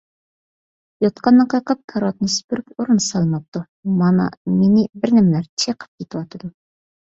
يوتقاننى قېقىپ، كارىۋاتنى سۈپۈرۈپ ئورۇن سالماپتۇ، مانا مېنى بىرنېمىلەر چېقىپ كېتىۋاتىدۇ.